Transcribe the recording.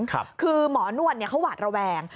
คือหมอนวดเขาหวาดระแวง